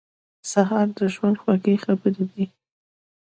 سهار د ژوند خوږې خبرې دي.